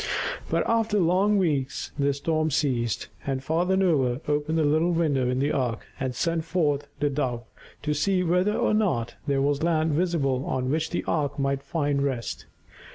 But after long weeks the storm ceased, and Father Noah opened the little window in the ark and sent forth the Dove to see whether or not there was land visible on which the ark might find rest.